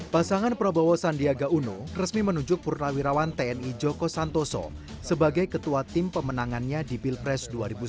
pasangan prabowo sandiaga uno resmi menunjuk purnawirawan tni joko santoso sebagai ketua tim pemenangannya di pilpres dua ribu sembilan belas